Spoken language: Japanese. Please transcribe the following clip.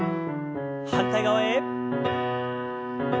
反対側へ。